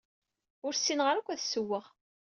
Ur ssineɣ ara akk ad ssewweɣ.